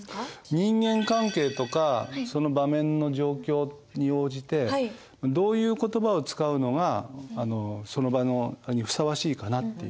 人間関係とかその場面の状況に応じてどういう言葉を使うのがその場にふさわしいかなっていう。